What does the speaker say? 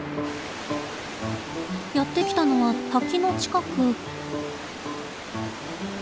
やって来たのは滝の近く。